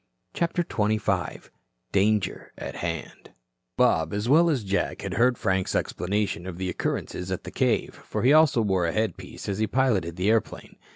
CHAPTER XXV DANGER AT HAND Bob as well as Jack had heard Frank's explanation of the occurrences at the cave, for he also wore a headpiece as he piloted the airplane.